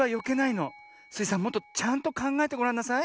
もっとちゃんとかんがえてごらんなさい。